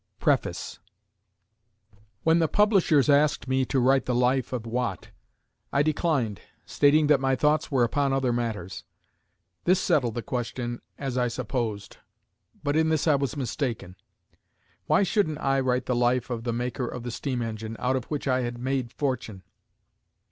_ PREFACE When the publishers asked me to write the Life of Watt, I declined, stating that my thoughts were upon other matters. This settled the question, as I supposed, but in this I was mistaken. Why shouldn't I write the Life of the maker of the steam engine, out of which I had made fortune?